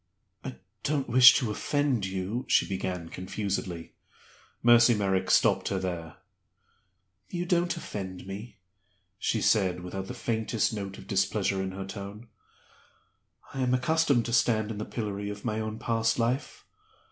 "I don't wish to offend you " she began, confusedly. Mercy Merrick stopped her there. "You don't offend me," she said, without the faintest note of displeasure in her tone. "I am accustomed to stand in the pillory of my own past life.